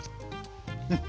うん。